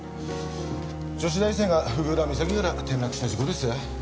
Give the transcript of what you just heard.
女子大生が福浦岬から転落した事故です。